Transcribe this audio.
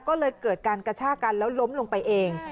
ก็เลยเกิดการกระชากันแล้วล้มลงไปเอง